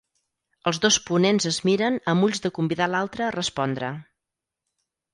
Els dos ponents es miren amb ulls de convidar l'altre a respondre.